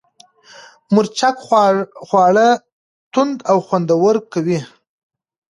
مرچک خواړه توند او خوندور کوي.